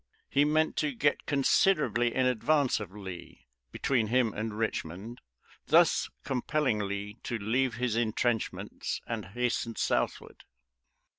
He meant to get considerably in advance of Lee between him and Richmond thus compelling Lee to leave his intrenchments and hasten southward.